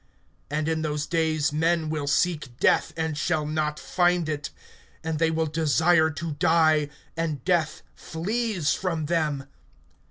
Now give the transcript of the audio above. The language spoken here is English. (6)And in those days men will seek death, and shall not find it; and they will desire to die, and death flees from them.